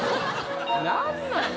何なん？